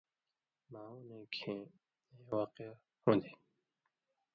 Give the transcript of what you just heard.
معونَیں کُہئ ایں واقعہ ہُون٘دیۡ۔